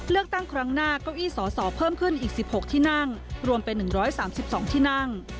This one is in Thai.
เลือกตั้งครั้งหน้าเก้าอี้สอสอเพิ่มขึ้นอีก๑๖ที่นั่งรวมเป็น๑๓๒ที่นั่ง